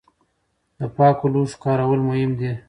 د پاکو لوښو کارول مهم دي.